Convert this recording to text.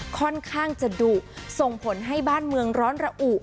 ค่อนข้างจะดุส่งผลให้บ้านเมืองร้อนระอุ